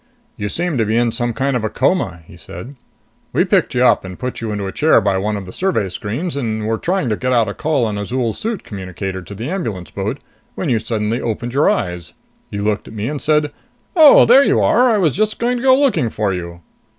"You seemed to be in some kind of coma," he said. "We picked you up and put you into a chair by one of the survey screens, and were trying to get out a call on Azol's suit communicator to the ambulance boat when you suddenly opened your eyes. You looked at me and said, 'Oh, there you are! I was just going to go looking for you.'"